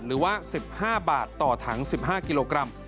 หรือว่า๑๕บาทต่อถัง๑๕กิโลกรัม